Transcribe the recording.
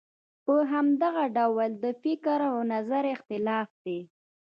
په همدغه ډول د فکر او نظر اختلاف دی.